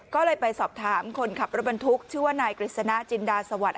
ก็เลยไปสอบถามคนขับรถบรรทุกชื่อว่านายกฤษณะจินดาสวัสดิ